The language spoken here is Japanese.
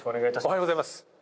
おはようございます。